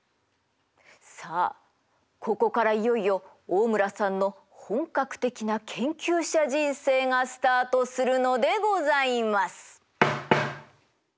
さあここからいよいよ大村さんの本格的な研究者人生がスタートするのでございます。